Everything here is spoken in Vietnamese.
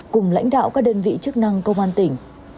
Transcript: cùng lãnh đạo các đơn vị chức năng công an tỉnh